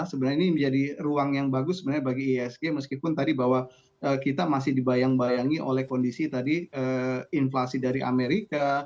sebenarnya ini menjadi ruang yang bagus sebenarnya bagi isg meskipun tadi bahwa kita masih dibayang bayangi oleh kondisi tadi inflasi dari amerika